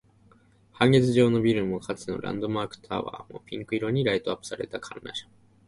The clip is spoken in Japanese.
半月状のビルも、かつてのランドマークタワーも、ピンク色にライトアップされた観覧車も